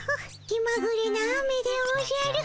気まぐれな雨でおじゃる。